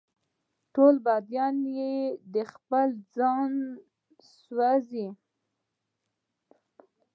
ټول بدن یې د خپل ځانه سوزي